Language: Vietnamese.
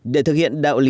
để thực hiện đạo lý